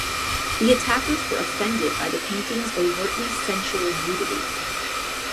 The attackers were offended by the painting's overtly sensual nudity.